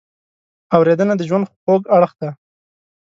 اورېدنه د ژوند خوږ اړخ دی.